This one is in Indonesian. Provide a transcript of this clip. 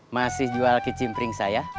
masih jual kicim pring saya